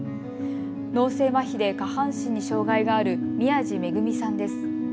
脳性まひで下半身に障害がある宮地めぐみさんです。